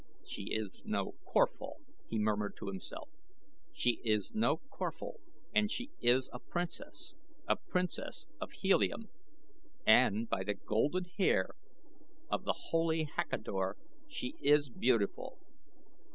"She is no Corphal," he murmured to himself. "She is no Corphal and she is a princess a princess of Helium, and, by the golden hair of the Holy Hekkador, she is beautiful.